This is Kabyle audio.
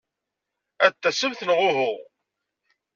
Ad d-tasemt neɣ uhu?